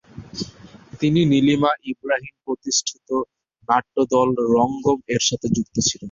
তিনি নীলিমা ইব্রাহিম প্রতিষ্ঠিত নাট্যদল "রঙ্গম"-এর সাথে যুক্ত ছিলেন।